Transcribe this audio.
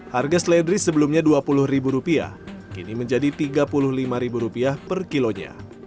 harga seledri sebelumnya dua puluh ribu rupiah kini menjadi tiga puluh lima ribu rupiah per kilonya